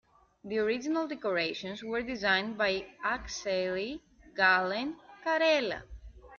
The original decorations were designed by Akseli Gallen-Kallela.